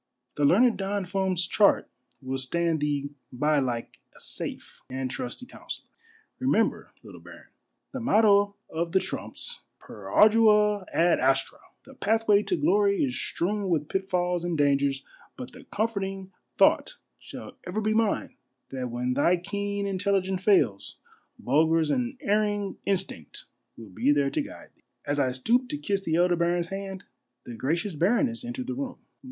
The learned Don Fum's chart will stand thee by like a safe and trusty counsellor. Remember, little baron, the motto of the Trumps, Per Ardua ad Astra — the pathway to glory is strewn with pitfalls and dangers — but the comforting thought shall ever be mine, that when thy keen intelligence fails, Bulger's unerr ing instinct will be there to guide thee." As I stooped to kiss the elder baron's hand, the graeious baroness entered the room.